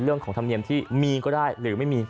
เรื่องของทำเนียมที่มีก็ได้หรือไม่มีก็ได้